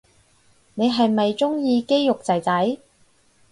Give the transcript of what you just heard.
你係咪鍾意肌肉仔仔